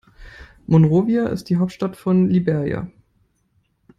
Monrovia ist die Hauptstadt von Liberia.